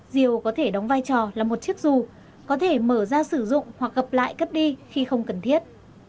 diều có thể đóng vai trò là một chiếc dù có thể mở ra sử dụng hoặc gặp lại cấp đi khi không cần thiết